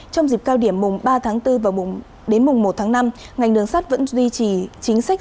trong dịp cao điểm mùng ba tháng bốn và đến mùng một tháng năm ngành đường sắt vẫn duy trì chính sách